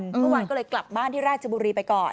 เมื่อวานก็เลยกลับบ้านที่ราชบุรีไปก่อน